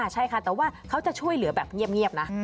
ใช่ค่ะแต่ว่าเขาจะช่วยเหลือแบบเงียบนะ